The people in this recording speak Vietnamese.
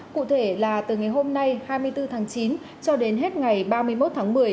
cụ thể là từ ngày hôm nay hai mươi bốn tháng chín cho đến hết ngày ba mươi một tháng một mươi